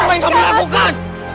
apa yang kamu lakukan